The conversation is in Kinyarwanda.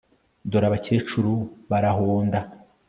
Dore abakecuru barahonda